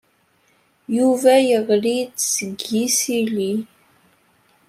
Yuba yeɣli-d seg yisili.